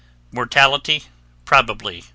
(Mortality probably 2.